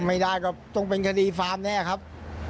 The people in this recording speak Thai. ไม่ได้ก็ต้องเป็นคดีฟาร์มแน่ครับ